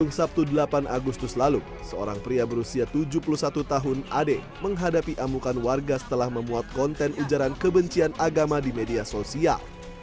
pada sabtu delapan agustus lalu seorang pria berusia tujuh puluh satu tahun ade menghadapi amukan warga setelah memuat konten ujaran kebencian agama di media sosial